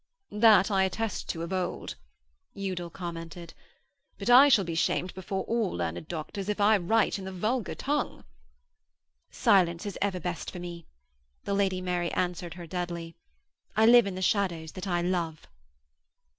'That I attest to of old,' Udal commented. 'But I shall be shamed before all learned doctors, if I write in the vulgar tongue.' 'Silence is ever best for me!' the Lady Mary answered her deadly. 'I live in the shadows that I love.'